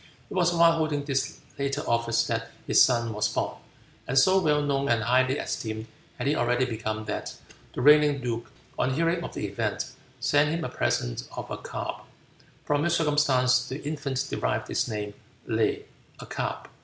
It was while holding this latter office that his son was born, and so well known and highly esteemed had he already become that the reigning duke, on hearing of the event, sent him a present of a carp, from which circumstance the infant derived his name, Le ("a carp").